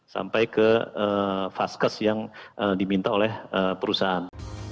sampai ke vaskes yang diminta oleh perusahaan